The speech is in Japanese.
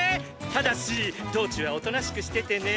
ただし道中はおとなしくしててね！